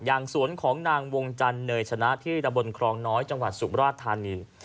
สวนของนางวงจันเนยชนะที่ตะบนครองน้อยจังหวัดสุมราชธานี